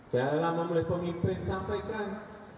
dalam memilih pemimpin sampaikan